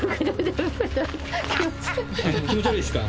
気持ち悪いですか？